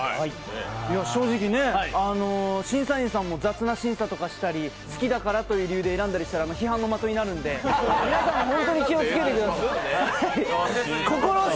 正直ね、審査員さんも雑な審査したり好きだからという理由で選んだりしたら批判の的になるので、皆さん本当に気を付けてください。